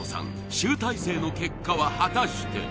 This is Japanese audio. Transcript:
集大成の結果は果たして？